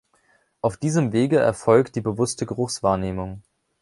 Auf diesem Wege erfolgt die bewusste Geruchswahrnehmung.